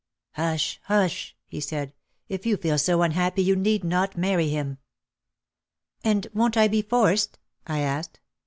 "Hush! hush!" he said, "if you feel so unhappy you need not marry him." "And won't I be forced?" I asked.